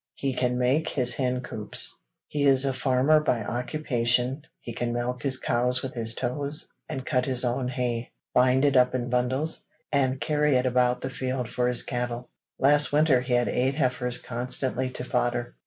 He can make his hen coops. He is a farmer by occupation; he can milk his cows with his toes, and cut his own hay, bind it up in bundles, and carry it about the field for his cattle. Last winter he had eight heifers constantly to fodder.